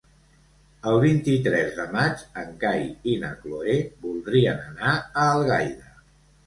El vint-i-tres de maig en Cai i na Cloè voldrien anar a Algaida.